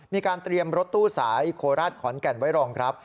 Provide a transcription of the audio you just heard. มีการเตรียมรถตู้สายโคราชขอนแก่นไว้รองรับ